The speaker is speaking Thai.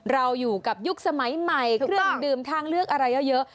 เราอยู่กับยุคสมัยใหม่เครื่องดื่มทางเลือกอะไรเยอะ